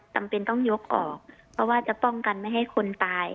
จำเป็นต้องยกออกเพราะว่าจะป้องกันไม่ให้คนตาย